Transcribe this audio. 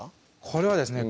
これはですね